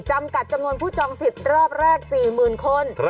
จำกัดจำนวนผู้จองสิทธิ์รอบแรก๔๐๐๐คน